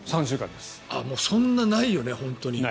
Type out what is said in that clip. もうそんなないよね、本当に。